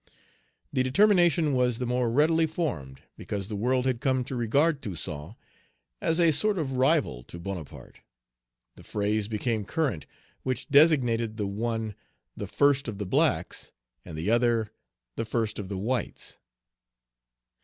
The determination was the more readily formed because the world had come to regard Toussaint as a sort of rival to Bonaparte. The phrase became current which designated the one "the first of the blacks," and the other "the first of the whites."